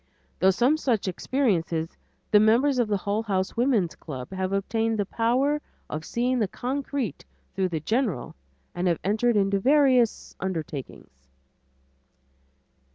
Through some such experiences the members of the Hull House Woman's Club have obtained the power of seeing the concrete through the general and have entered into various undertakings.